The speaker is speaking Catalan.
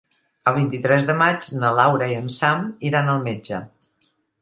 El vint-i-tres de maig na Laura i en Sam iran al metge.